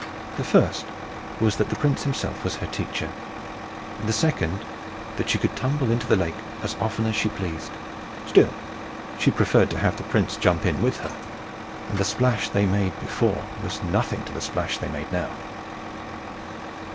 The first was, that the prince himself was her teacher; and the second, that she could tumble into the lake as often as she pleased. Still, she preferred to have the prince jump in with her; and the splash they made before was nothing to the splash they made now.